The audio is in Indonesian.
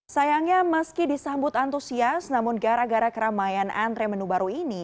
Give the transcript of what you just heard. sayangnya meski disambut antusias namun gara gara keramaian antre menu baru ini